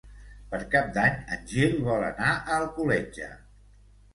Per Cap d'Any en Gil vol anar a Alcoletge.